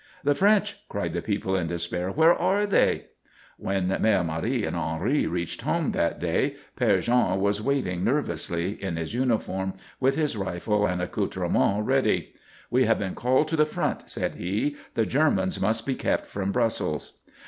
"The French!" cried the people in despair. "Where are they?" When Mère Marie and Henri reached home that day Père Jean was waiting nervously in his uniform, with his rifle and accoutrements ready. "We have been called to the front," said he. "The Germans must be kept from Brussels."